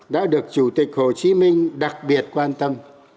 đã được chủ tịch hồ chí minh đặc biệt quan tâm